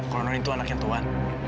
kalau non itu anaknya tuhan